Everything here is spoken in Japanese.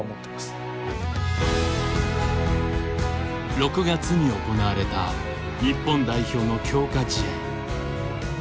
６月に行われた日本代表の強化試合。